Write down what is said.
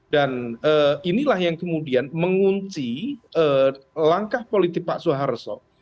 dan inilah yang kemudian mengunci langkah politik pak soeharto